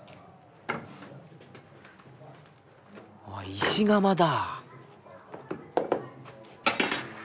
石窯だ。